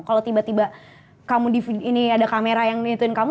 kalau tiba tiba kamu di video ini ada kamera yang nge inituin kamu